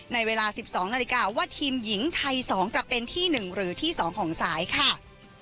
ในเวลา๑๒นาฬิกาว่าทีมหญิงไทย๒จะเป็นที่๑หรือที่๒ของสายค่ะ